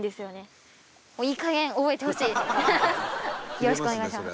よろしくお願いします。